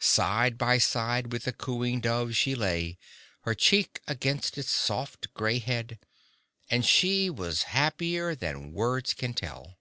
Side by side with the cooing dove she lay, her cheek against its soft grey head and she was happier than words can tell.